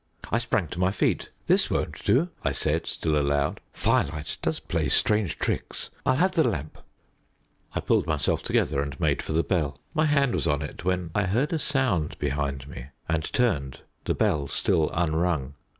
I sprang to my feet. "This won't do," I said, still aloud. "Firelight does play strange tricks. I'll have the lamp." I pulled myself together and made for the bell. My hand was on it, when I heard a sound behind me, and turned the bell still unrung.